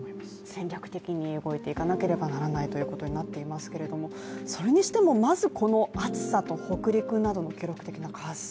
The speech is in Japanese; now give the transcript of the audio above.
戦略的に動いていかなければならないということになっていますけれどもそれにしてもまずこの暑さと北陸などの記録的な渇水。